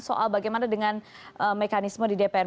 soal bagaimana dengan mekanisme di dpr